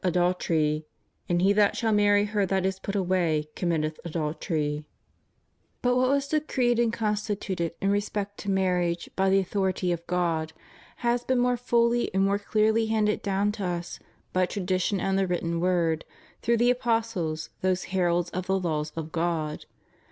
63 adultery; and he that shall marry her that is put away committeth adultery} But what was decreed and constituted in respect to marriage by the authority of God, has been more fully and more clearly handed down to us, by tradition and the written Word, through the apostles, those heralds of the laws of God.